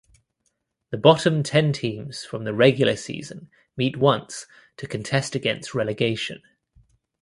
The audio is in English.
The bottom ten teams from the regular season meet once to contest against relegation.